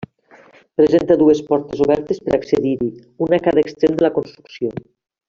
Presenta dues portes obertes per accedir-hi, una a cada extrem de la construcció.